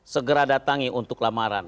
segera datangi untuk lamaran